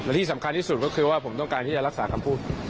ที่สำคัญที่สุดก็คือว่าผมต้องการที่จะรักษาคำพูด